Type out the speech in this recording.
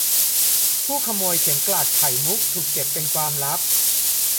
ผู้ขโมยเข็มกลัดไข่มุกถูกเก็บเป็นความลับ